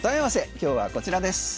今日はこちらです。